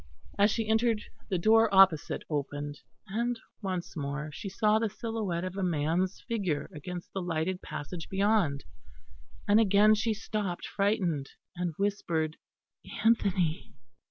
As she entered the door opposite opened, and once more she saw the silhouette of a man's figure against the lighted passage beyond; and again she stopped frightened, and whispered "Anthony."